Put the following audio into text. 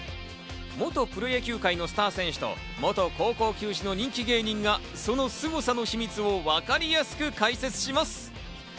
元プロ野球界のスター選手と元高校球児の人気芸人がそのすごさの秘密をわかりやすく解説します。